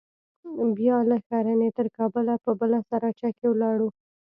بيا له ښرنې تر کابله په بله سراچه کښې ولاړو.